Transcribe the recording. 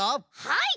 はい！